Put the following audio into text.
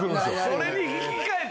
それに。